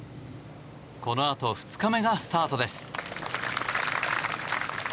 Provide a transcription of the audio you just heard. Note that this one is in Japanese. このあと２日目がスタートです。